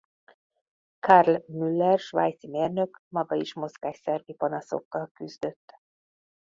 Karl Müller svájci mérnök maga is mozgásszervi panaszokkal küzdött.